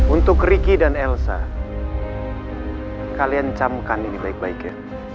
untuk ricky dan elsa kalian camkan ini baik baiknya